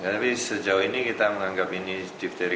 tapi sejauh ini kita menganggap ini difteri